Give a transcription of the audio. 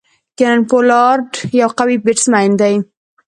کیرن پولارډ یو قوي بيټسمېن دئ.